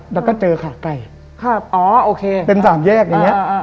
แล้วก็เจอขาไก่ครับอ๋อโอเคเป็นสามแยกอย่างเงี้